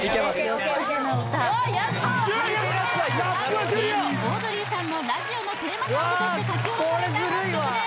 やっとだ樹だ芸人オードリーさんのラジオのテーマソングとして書き下ろされた楽曲です